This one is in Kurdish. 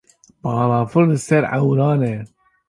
Balafir li ser ewran e.